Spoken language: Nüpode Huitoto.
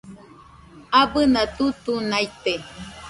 Abɨna tutunaite